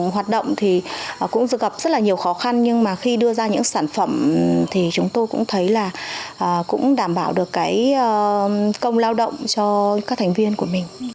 hoạt động thì cũng gặp rất là nhiều khó khăn nhưng mà khi đưa ra những sản phẩm thì chúng tôi cũng thấy là cũng đảm bảo được cái công lao động cho các thành viên của mình